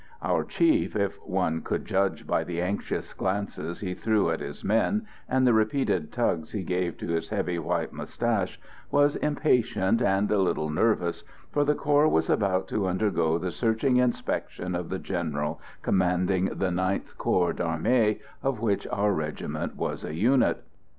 Our chief, if one could judge by the anxious glances he threw at his men and the repeated tugs he gave to his heavy white moustache, was impatient and a little nervous, for the corps was about to undergo the searching inspection of the General commanding the 19th corps d'armée, of which our regiment was a unit.